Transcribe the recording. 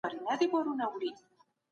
دا پرېکړه به د قانون برخه شي.